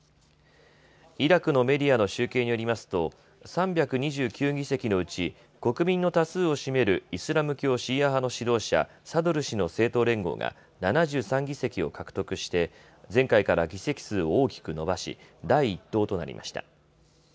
イラクのメディアの集計によりますと３２９議席のうち国民の多数を占めるイスラム教シーア派の指導者、サドル師の政党連合が７３議席を獲得して前回から議席数を大きく伸ばし第１党となりました。